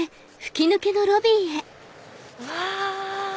うわ！